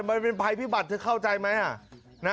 มันเป็นภัยพิบัตรเธอเข้าใจไหม